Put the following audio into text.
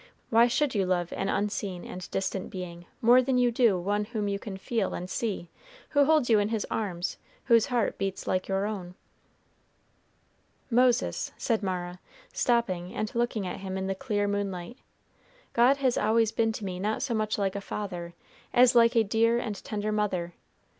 Why should you love an unseen and distant Being more than you do one whom you can feel and see, who holds you in his arms, whose heart beats like your own?" "Moses," said Mara, stopping and looking at him in the clear moonlight, "God has always been to me not so much like a father as like a dear and tender mother.